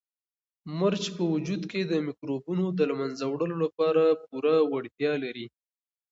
مرچ په وجود کې د مکروبونو د له منځه وړلو لپاره پوره وړتیا لري.